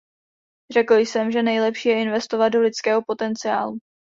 Řekl jsem, že nejlepší je investovat do lidského potenciálu.